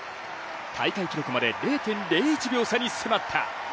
大会記録まで０．０１秒差に迫った。